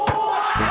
あ！